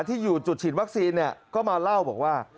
ที่อยู่จุดฉีดวัคซีนก็มาเล่าบอกว่า